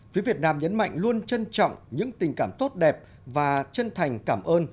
phía việt nam nhấn mạnh luôn trân trọng những tình cảm tốt đẹp và chân thành cảm ơn